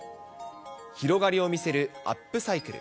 広がりを見せるアップサイクル。